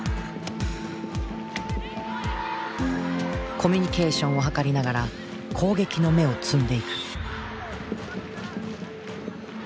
コミュニケーションを図りながら攻撃の芽を摘んでいく。